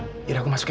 ayo aku masuk ya